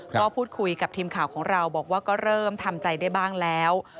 ก็พูดคุยกับทีมข่าวของเราบอกว่าก็เริ่มทำใจได้บ้างแล้ว